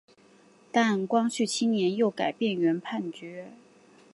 但光绪七年又改变原判决。